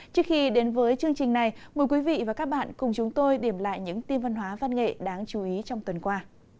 trước khi đến với chương trình này mời quý vị và các bạn cùng chúng tôi điểm lại những tin văn hóa văn nghệ đáng chú ý trong tuần qua